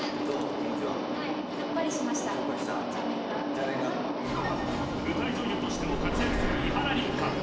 気持ちははい舞台女優としても活躍する伊原六花